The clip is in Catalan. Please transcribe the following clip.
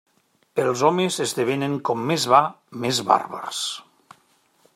Els homes esdevenen com més va més bàrbars.